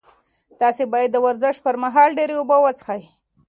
تاسي باید د ورزش پر مهال ډېرې اوبه وڅښئ.